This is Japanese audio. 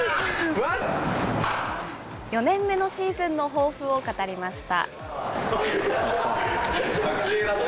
４年目のシーズンの抱負を語りました。